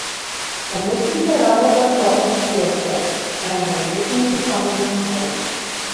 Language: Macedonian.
Паметните работат за општиот газ, а интелегентните само за својот.